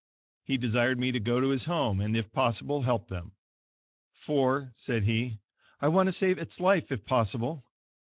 He desired me to go to his home, and, if possible help them. "For," said he, "I want to save its life, if possible."